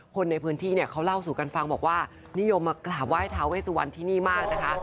คนในพื้นที่เนี่ยเขาเล่าสู่กันฟังบอกว่านิยมมากราบไห้ทาเวสุวรรณที่นี่มากนะคะ